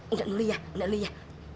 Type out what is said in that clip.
udah dulu ya udah dulu ya